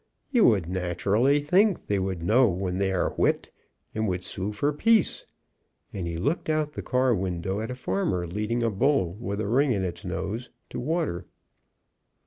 You would naturally think they would know when they are whipped, and would sue for peace," and he looked out of the car window at a farmer leading a bull with a ring in its nose, to water.